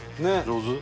上手？